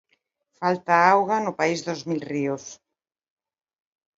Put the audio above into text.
Falta auga no país dos mil ríos.